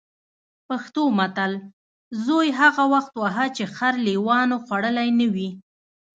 پښتو متل: زوی هغه وخت وهه چې خر لېوانو خوړلی نه وي.